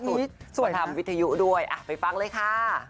ทำวิทยุด้วยไปฟังเลยค่ะ